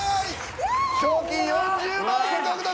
賞金４０万円獲得！